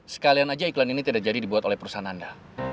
sekalian saja iklan ini tidak jadi dibuat oleh perusahaan anda